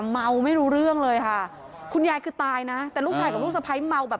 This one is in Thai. เมาไม่รู้เรื่องเลยค่ะคุณยายคือตายนะแต่ลูกชายกับลูกสะพ้ายเมาแบบ